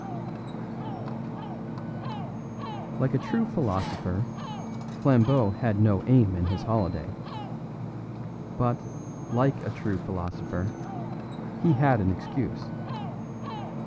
Like a true philosopher, Flambeau had no aim in his holiday; but, like a true philosopher, he had an excuse.